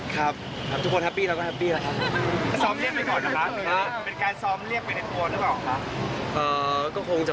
ความสุขของเขา